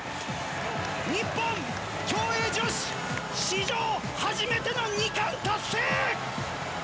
日本競泳女子、史上初めての２冠達成。